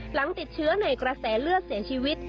หลังติดเชื้อในกระแสเลือดเสียชีวิต